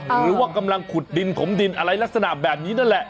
หรือว่ากำลังขุดดินขมดินอะไรลักษณะแบบนี้นั่นแหละ